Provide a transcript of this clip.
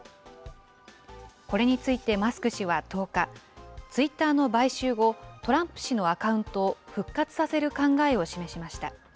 これについてマスク氏は１０日、ツイッターの買収後、トランプ氏のアカウントを復活させる考えを示しました。